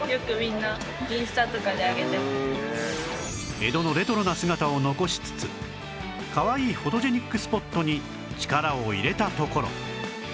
江戸のレトロな姿を残しつつかわいいフォトジェニックスポットに力を入れたところ